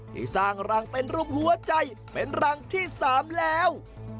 ที่สร้างรังเป็นรูปหัวใจเป็นรังที่๓แล้ว